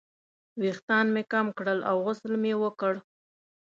ویښتان مې کم کړل او غسل مې وکړ.